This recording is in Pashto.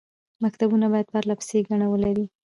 مکتوبونه باید پرله پسې ګڼه ولري.